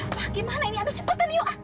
aduh pak gimana ini aduh cepetan yuk